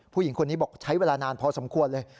ผู้หญิงคนนี้บอกใช้เวลานานพอสมควรเลย